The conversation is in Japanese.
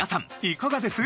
いかがです？